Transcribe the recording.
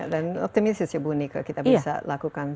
dan optimis ya bu nika kita bisa lakukan